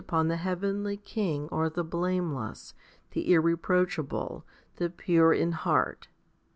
HOMILY XV 129 upon the heavenly King are the blameless, the irreproach able, the pure in heart.